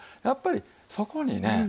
やっぱりそこにね